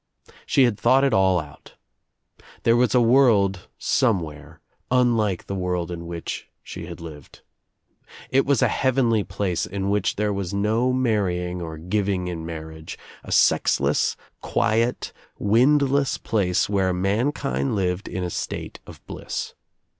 She had thought It all out. There was a world somewhere unlike the world In which she lived. It was a heavenly place In which there was no marrying or giving In marriage, a sexless quiet windless place where mankind lived in a state of bliss.